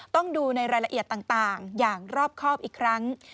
ต้องดูในรายละเอียดต่างอย่างรอบครอบอีกครั้ง